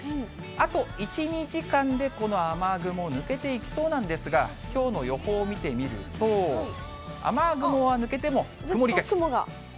あと１、２時間でこの雨雲、抜けていきそうなんですが、きょうの予報を見てみると、ずっと雲が。